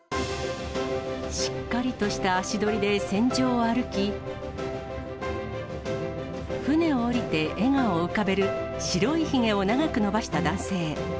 しっかりとした足取りで船上を歩き、船を降りて笑顔を浮かべる、白いひげを長く伸ばした男性。